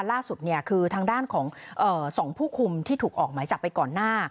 ล่าสุดคือทางด้านของ๒ผู้คุมที่ถูกออกหมายจับไปก่อนหน้า